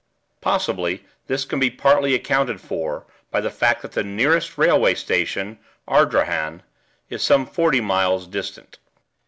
Possibly this can be partly accounted for by the fact that the nearest railway station (Ardrahan) is some forty miles distant.